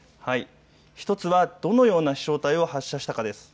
１つはどのような飛しょう体を発射したかです。